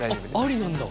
ありなんだ。